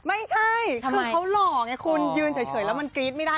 ไม่ใช่คือเขาหล่อไงคุณยืนเฉยแล้วมันกรี๊ดไม่ได้